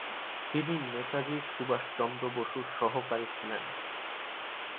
তিনি নেতাজি সুভাষচন্দ্র বসুর সহকারী ছিলেন।